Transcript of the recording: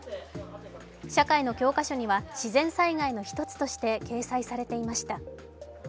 社会の教科書には自然災害の一つとして掲載されていました。